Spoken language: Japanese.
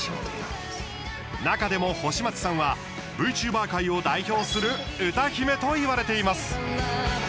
中でも、星街さんは ＶＴｕｂｅｒ 界を代表する歌姫といわれています。